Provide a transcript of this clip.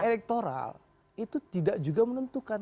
elektoral itu tidak juga menentukan